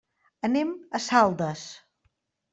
Anem a Saldes.